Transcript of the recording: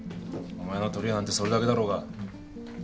お前の取りえなんてそれだけだろうが。